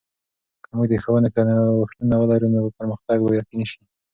که موږ د ښوونې کې نوښتونه ولرو، نو پرمختګ به یقیني سي.